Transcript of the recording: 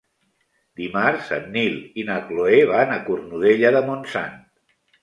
Dimarts en Nil i na Cloè van a Cornudella de Montsant.